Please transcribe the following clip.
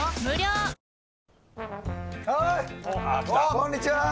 こんにちは。